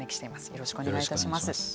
よろしくお願いします。